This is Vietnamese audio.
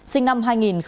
sinh năm hai nghìn một